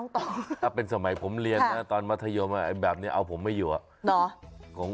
ถ้าเป็นสมัยผมเรียนนะตอนมัธยมแบบนี้เอาผมไม่อยู่อะ